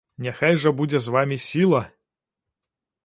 Няхай жа будзе з вамі сіла!